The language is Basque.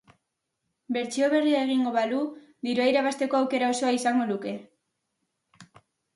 Bertsio berria egingo balu dirua irabazteko aukera osoa izango luke.